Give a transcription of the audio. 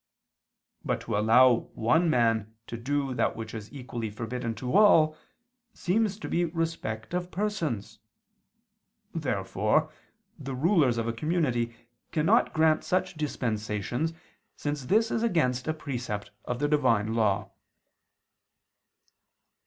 But to allow one man to do that which is equally forbidden to all, seems to be respect of persons. Therefore the rulers of a community cannot grant such dispensations, since this is against a precept of the Divine law.